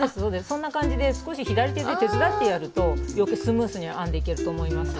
そんな感じで少し左手で手伝ってやるとスムーズに編んでいけると思います。